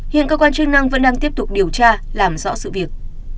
hiện cơ quan chức năng vẫn đang tiếp tục điều tra làm rõ sự việc